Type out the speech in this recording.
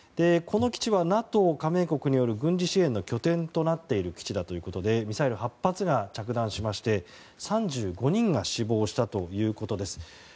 この基地はＮＡＴＯ加盟国による軍事支援の拠点となっている基地だということでミサイル８発が着弾しまして、３５人が死亡したということです。